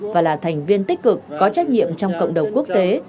và là thành viên tích cực có trách nhiệm trong cộng đồng quốc tế